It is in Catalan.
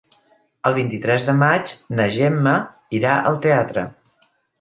El vint-i-tres de maig na Gemma irà al teatre.